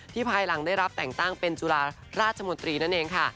ภายหลังได้รับแต่งตั้งเป็นจุฬาราชมนตรีนั่นเองค่ะ